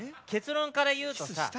結論から言うとさ。